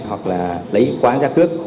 hoặc là lấy quán ra cước